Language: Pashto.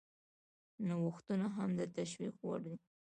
نوښتونه هم د تشویق وړ دي.